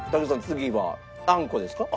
次はあんこですか？